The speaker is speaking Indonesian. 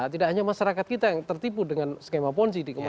tidak hanya masyarakat kita yang tertipu dengan skema ponzi di kementerian